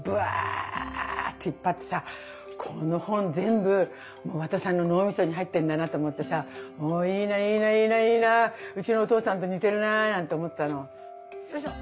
そしたらこの本全部和田さんの脳みそに入ってんだなと思ってさいいないいないいないいなうちのお父さんと似てるななんて思ったの。